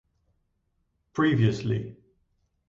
Previously.